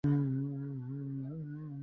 তার আগে বন্ধ করা নিষেধ।